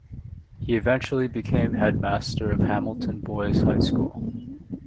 He eventually became headmaster of Hamilton Boys' High School.